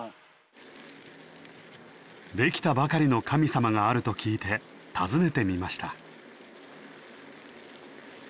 できたばかりの神様があると聞いて訪ねてみました。